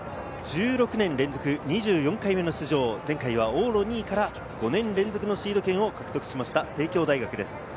１６年連続２４回目の出場、前回は往路２位から５年連続のシード権を獲得しました帝京大学です。